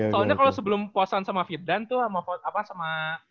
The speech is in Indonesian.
soalnya kalo sebelum postan sama firdan tuh sama